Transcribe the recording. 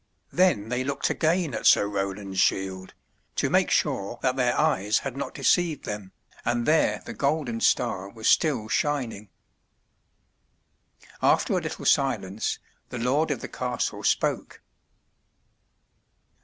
Then they looked again at Sir Roland's shield, to make sure that their eyes had not deceived them, and there the golden star was still shining. After a little silence the lord of the castle spoke.